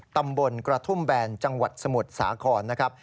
ตำบลกระทุ่มแบนจังหวัดสมุทรสาครนะครับ